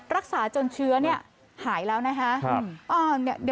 รักษาจนเชื้อหายแล้วนะคะ